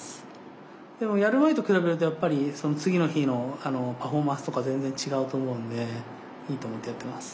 でもやる前と比べるとやっぱり次の日のパフォーマンスとか全然違うと思うんでいいと思ってやってます。